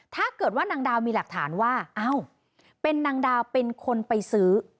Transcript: ถ้าเกิดว่านางดาวมีหลักฐานว่าเอ้าเป็นนางดาวเป็นคนไปซื้อ